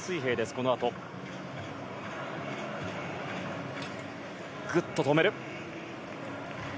このあと。グッと止める。